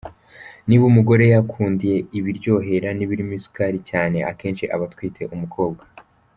Niba umugore yikundiye ibiryohera n’ibirimo isukari cyane, akenshi aba atwite umukobwa.